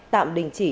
tạm đình chỉ